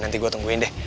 nanti gue tungguin deh